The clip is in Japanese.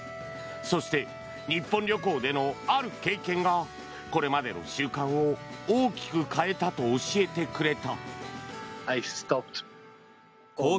そして、日本旅行でのある経験がこれまでの習慣を大きく変えたと教えてくれた。